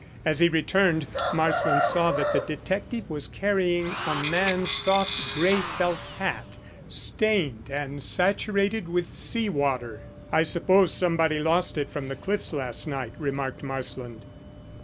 As he returned, Marsland saw that the detective was carrying a man's soft grey felt hat, stained and saturated with sea water. "I suppose somebody lost it from the cliffs last night," remarked Marsland.